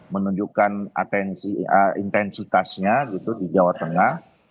menunjukkan intensitasnya gitu di jawa tengah